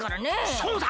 そうだ！